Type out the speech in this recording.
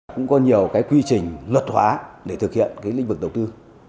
cũng có nhiều quy trình luật hóa để thực hiện lĩnh vực đầu tư